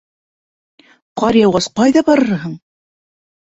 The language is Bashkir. Ҡар яуғас, ҡайҙа барырһың?